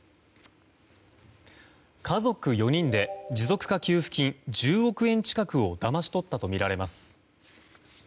家族４人で持続化給付金１０億円近くをだまし取ったとみられます。